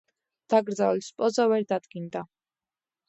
დაკრძალვის პოზა ვერ დადგინდა.